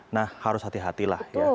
nah harus hati hatilah